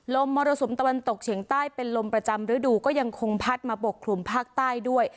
มรสุมตะวันตกเฉียงใต้เป็นลมประจำฤดูก็ยังคงพัดมาปกคลุมภาคใต้ด้วย